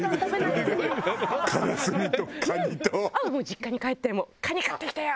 実家に帰って「カニ買ってきたよ！